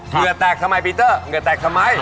เหงื่อแตกทำไมปีเตอร์เหงื่อแตกทำไม